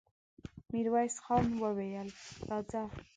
ميرويس خان وويل: راځه!